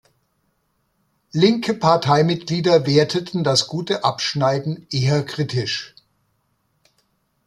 Linke Parteimitglieder werteten das gute Abschneiden eher kritisch.